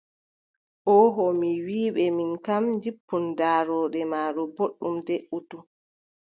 Ooho mi wii ɓe min kam, jippun daarooɗe ma ɗo booɗɗum, deʼutu.